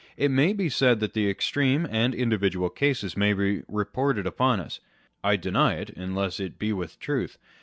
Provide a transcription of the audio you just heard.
It may be said that the extreme and indi vidual cases may be retorted upon us : â€" I deny it, unless it be with truth.